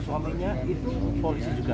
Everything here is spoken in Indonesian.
suaminya itu polisi juga